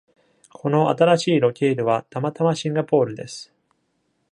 この新しいロケールはたまたまシンガポールです。